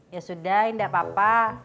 ya sudah indah papa